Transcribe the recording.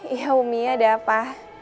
iya umi ada apa